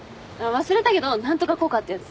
忘れたけど何とか効果ってやつ。